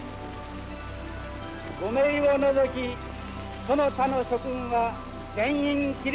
５名を除きその他の諸君は全員起立。